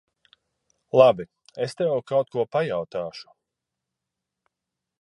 Labi. Es tev kaut ko pajautāšu.